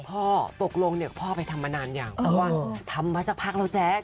พ่อตกลงพ่อไปทำมานานอ่ะเหร้าว่าทำมานานหรอแจ๊ก